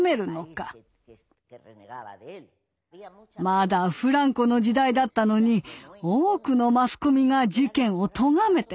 まだフランコの時代だったのに多くのマスコミが事件をとがめてくれた。